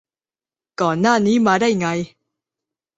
ก่อนหน้านี้มาได้ไง